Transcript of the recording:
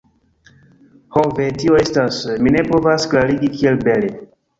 Ho ve... tio estas... mi ne povas klarigi kiel bele